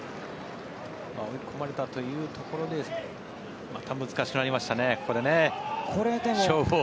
追い込まれたというところでまた難しくなりましたね。